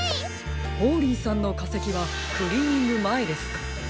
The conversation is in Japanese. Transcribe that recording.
ホーリーさんのかせきはクリーニングまえですか？